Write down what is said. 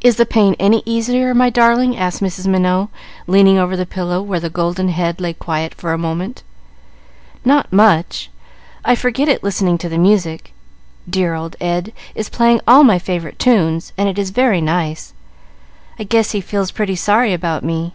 "Is the pain any easier, my darling?" asked Mrs. Minot, leaning over the pillow, where the golden head lay quiet for a moment. "Not much. I forget it listening to the music. Dear old Ed is playing all my favorite tunes, and it is very nice. I guess he feels pretty sorry about me."